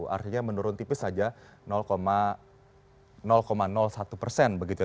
artinya menurun tipis saja satu persen begitu ya